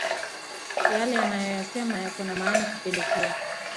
Yale anayoyasema yako na maana kupindukia